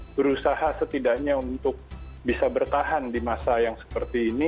berusaha setidaknya untuk bisa bertahan di masa yang seperti ini